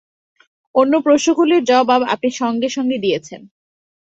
অন্য প্রশ্নগুলির জবাব আপনি সঙ্গে-সঙ্গে দিয়েছেন।